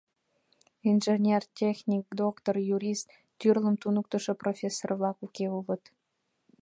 Инженер, техник, доктор, юрист, тӱрлым туныктышо профессор-влак уке улыт.